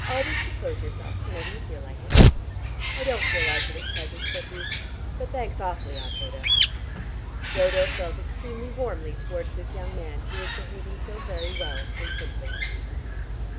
Always propose yourself, whenever you feel like it." "I don't feel like it at present," said he. "But thanks awfully, Aunt Dodo." Dodo felt extremely warmly towards this young man, who was behaving so very well and simply.